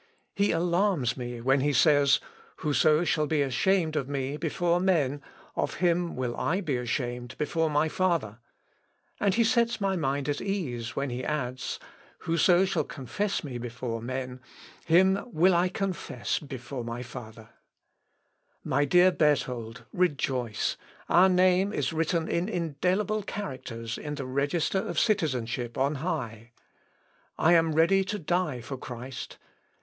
He alarms me when he says, 'Whoso shall be ashamed of me before men, of him will I be ashamed before my Father;' and he sets my mind at ease when he adds, 'Whoso shall confess me before men, him will I confess before my Father.' My dear Berthold, rejoice! Our name is written in indelible characters in the register of citizenship on high. I am ready to die for Christ.